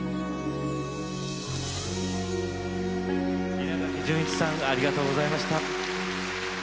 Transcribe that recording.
稲垣潤一さんありがとうございました。